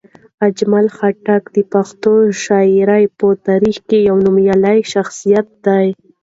اجمل خټک د پښتو شاعرۍ په تاریخ کې یو نومیالی شخصیت دی.